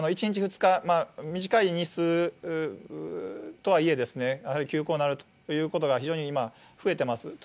１日、２日、短い日数とはいえ、やはり休校になるということが、非常に今、増えてます。